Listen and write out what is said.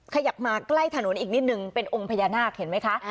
ขยับมาใกล้ถนนอีกนิดนึงเป็นองค์พญานาคเห็นไหมคะ